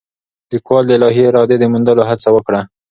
لیکوال د الهي ارادې د موندلو هڅه وکړه.